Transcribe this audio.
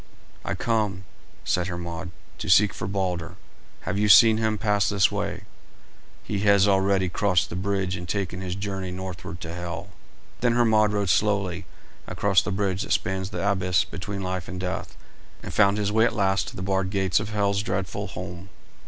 "I come," said Hermod, "to seek for Balder. Have you seen him pass this way?" "He has already crossed the bridge and taken his journey northward to Hel." Then Hermod rode slowly across the bridge that spans the abyss between life and death, and found his way at last to the barred gates of Hel's dreadful home.